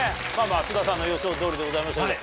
津田さんの予想通りでございましたけど。